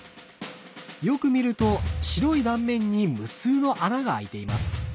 よく見ると白い断面に無数の穴が開いています。